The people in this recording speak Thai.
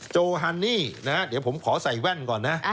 โจอานี่นะครับเดี๋ยวผมขอใส่แว่นก่อนนะ